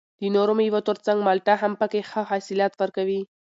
د نورو مېوو تر څنګ مالټه هم پکې ښه حاصلات ورکوي